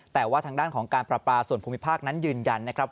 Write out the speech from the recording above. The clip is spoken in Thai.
แต่ว่าทางด้านของการปราปาส่วนภูมิภาคนั้นยืนยันนะครับ